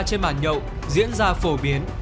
trên bàn nhậu diễn ra phổ biến